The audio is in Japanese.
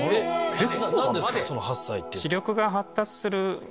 えっ⁉